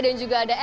dan juga ada engkau